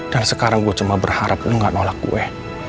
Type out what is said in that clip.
dan sekarang gue cuma berharap lo gak nolak gue